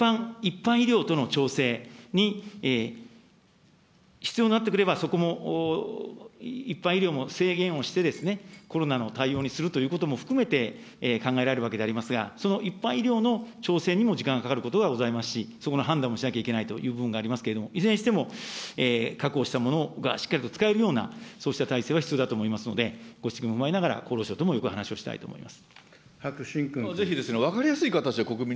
それから一般医療との調整に、必要になってくれば、そこも一般医療も制限をして、コロナの対応にするということも含めて考えられるわけでありますが、その一般医療の調整にも時間がかかることもございますし、そこの判断もしなきゃいけないというふうになりますけれども、いずれにしても、確保したものがしっかりと使えるような、そうした体制は必要だと思いますので、ご指摘を踏まえながら、厚労省ともよく話をしたいと思います。